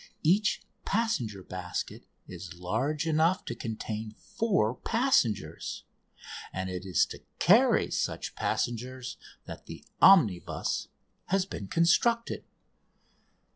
Each passenger basket is large enough to contain four passengers; and it is to carry such passengers that "The Omnibus" has been constructed.